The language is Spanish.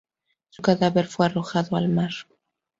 Su cadáver fue arrojado al mar.